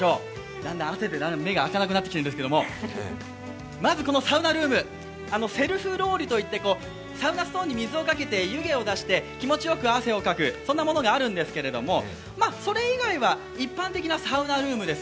だんだん汗で目が開かなくなってきているんですけど、まずサウナルーム、セルフといロウリュっていって湯気を出して気持ちよく汗をかく、そんなものがあるんですけど、それ以外は一般的なサウナルームです。